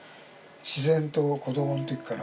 自然と子供の時から。